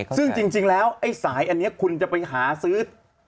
ซึ่งจริงแล้วไอ้สายอันนี้คุณจะไปหาซื้อ